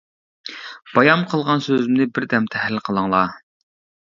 بايام قىلغان سۆزۈمنى، بىر دەم تەھلىل قىلىڭلار.